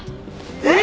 えっ？